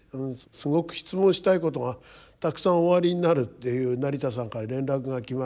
すごく質問したいことがたくさんおありになるっていう成田さんから連絡が来まして。